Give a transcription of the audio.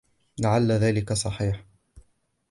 لعل ذلك صحيح.